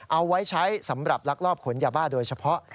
เอาไว้ใช้สำหรับลักลอบขนยาบ้าโดยเฉพาะ